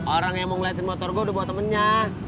orang yang mau ngeliatin motor gue udah buat temennya